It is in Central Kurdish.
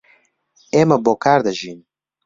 ئێمە بۆ کار دەژین.